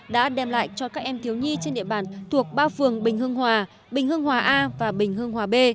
đã đem lại cho các em thiếu nhi trên địa bàn thuộc ba phường bình hương hòa bình hương hòa a và bình hương hòa b